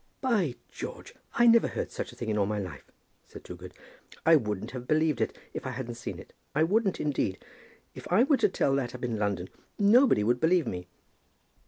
"By George! I never heard such a thing in all my life," said Toogood. "I wouldn't have believed it if I hadn't seen it. I wouldn't, indeed. If I were to tell that up in London, nobody would believe me."